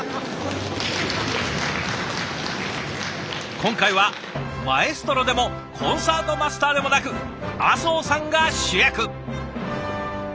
今回はマエストロでもコンサートマスターでもなく阿相さんが主役。